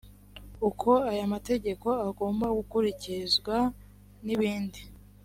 uko aya mategeko agomba gukurikizwa n ibindi